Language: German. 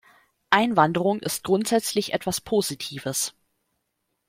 Einwanderung ist grundsätzlich etwas Positives.